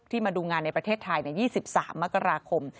มาดูงานในประเทศไทยใน๒๓มกราคม